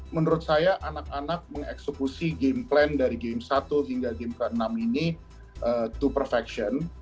menurut saya anak anak mengeksekusi game plan dari game satu hingga game ke enam ini to perfection